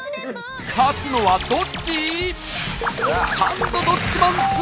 勝つのはどっち？